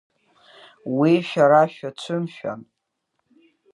Уи шәара шәацәымшәан…